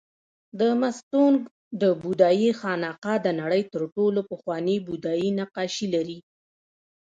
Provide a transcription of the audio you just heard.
د مستونګ د بودایي خانقاه د نړۍ تر ټولو پخواني بودایي نقاشي لري